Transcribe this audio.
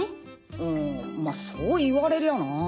あぁまぁそう言われりゃな。